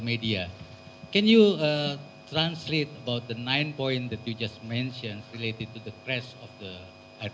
bisa anda menerjemahkan tentang sembilan poin yang anda sebutkan terkait dengan keras air kain